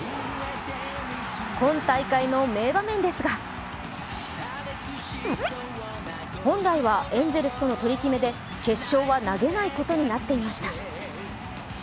今大会の名場面ですが、本来はエンゼルスとの取り決めで決勝は投げないことになっていました。